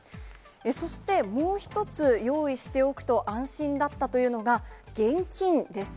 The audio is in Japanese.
そして、もう一つ、用意しておくと安心だったというのが、現金です。